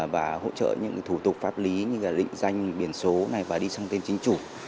và hỗ trợ những thủ tục pháp lý như là định danh biển số này và đi sang tên chính chủ